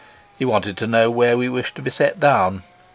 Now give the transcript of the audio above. He wanted to know where we wished to be set down.